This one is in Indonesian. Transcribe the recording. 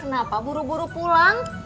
kenapa buru buru pulang